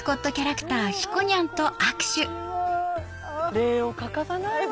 礼を欠かさないわね